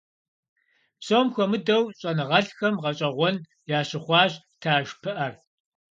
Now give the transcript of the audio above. Псом хуэмыдэу щӀэныгъэлӀхэм гъэщӏэгъуэн ящыхъуащ таж пыӀэр.